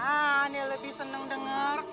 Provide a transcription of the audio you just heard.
aneh lebih seneng denger